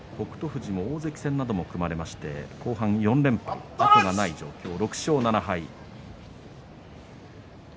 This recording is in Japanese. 富士も大関戦なども組まれまして後半４連敗後がない状況６勝７敗。